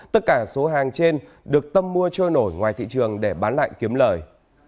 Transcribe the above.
tất cả số hàng trên được tâm mua trôi nổi ngoài thị trường để bán lại kiếm lời